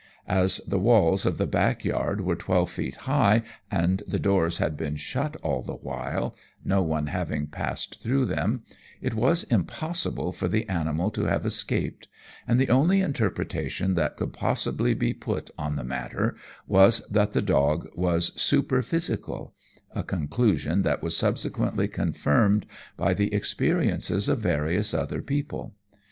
As the walls of the back yard were twelve feet high, and the doors had been shut all the while no one having passed through them it was impossible for the animal to have escaped, and the only interpretation that could possibly be put on the matter was that the dog was superphysical a conclusion that was subsequently confirmed by the experiences of various other people.